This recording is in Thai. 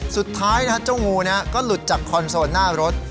สุดท้ายเจ้างูก็หลุดจากคอนโซลหน้ารถ